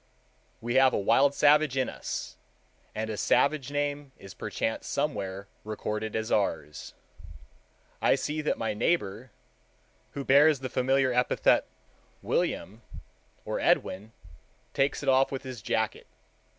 We have a wild savage in us, and a savage name is perchance somewhere recorded as ours. I see that my neighbor, who bears the familiar epithet William or Edwin, takes it off with his jacket.